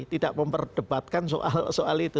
tidak memperdebatkan soal itu